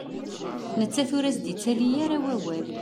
Nettat ur as-d-ittali ara wawal.